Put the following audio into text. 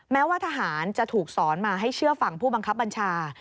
แม้ว่าทหารจะถูกสอนมาให้เชื่อฟังผู้บังคับบัญชา